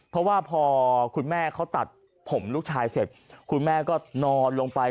เพราะว่าพอคุณแม่เขาตัดผมลูกชายเสร็จคุณแม่ก็นอนลงไป